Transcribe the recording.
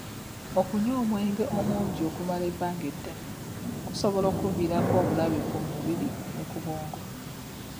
Okunywa omwenge omungi okumala ebbanga eddene kusobola okukuviirako obulabe ku mubiri ne ku bwongo.